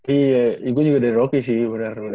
iya gue juga dari rocky sih bener bener